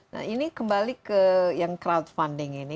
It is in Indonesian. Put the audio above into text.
nah ini kembali ke yang crowdfunding ini